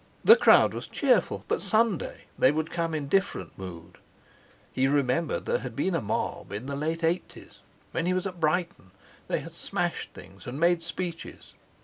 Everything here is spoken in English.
The crowd was cheerful, but some day they would come in different mood! He remembered there had been a mob in the late eighties, when he was at Brighton; they had smashed things and made speeches.